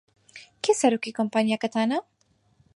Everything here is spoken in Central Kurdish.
کێ سەرۆکی کۆمپانیاکەتانە؟